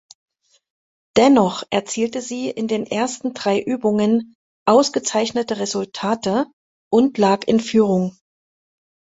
Dennoch erzielte sie in den ersten drei Übungen ausgezeichnete Resultate und lag in Führung.